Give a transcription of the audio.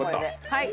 はい！